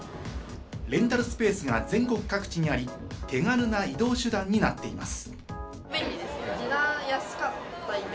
レンタルスペースが全国各地にあり、手軽な移動手段になっています。